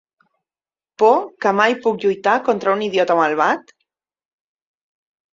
Por què mai puc lluitar contra un idiota malvat?